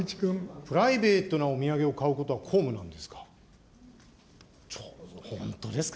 プライベートなお土産を買うことは公務なんですか。